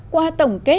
qua tổng kết